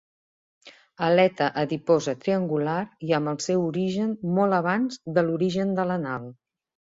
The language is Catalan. Aleta adiposa triangular i amb el seu origen molt abans de l'origen de l'anal.